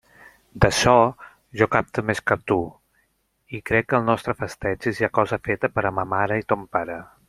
D'açò jo «capte» més que tu, i crec que el nostre festeig és ja cosa feta per a ma mare i ton pare.